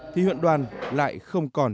thì huyện đoàn lại không còn